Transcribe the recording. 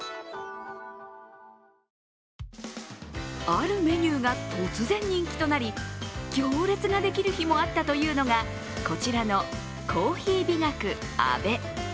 あるメニューが、突然人気となり行列ができる日もあったというのがこちらの珈琲美学アベ。